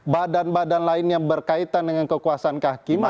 badan badan lain yang berkaitan dengan kekuasaan kehakiman